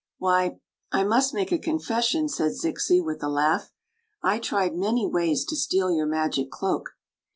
"Why, I must make a confession," said Zixi, with a laugh. " I tried many ways to steal your magic cloak.